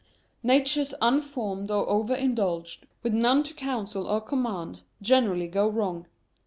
Natures unformed or over indulged, with none to counsel or command, generally go wrong.